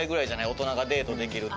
大人がデートできるって。